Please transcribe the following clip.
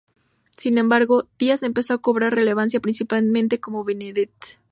Sin embargo, Díaz empezó a cobrar relevancia principalmente como vedette.